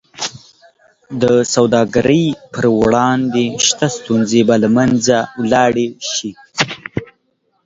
د سوداګرۍ پر وړاندې شته ستونزې به له منځه ولاړې شي.